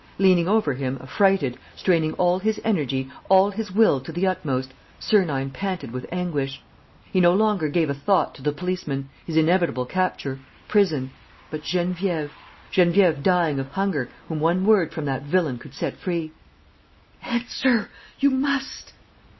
Leaning over him, affrighted, straining all his energy, all his will to the utmost, Sernine panted with anguish. He no longer gave a thought to the policemen, his inevitable capture, prison. ... But Geneviève. ... Geneviève dying of hunger, whom one word from that villain could set free! ... "Answer! ... You must!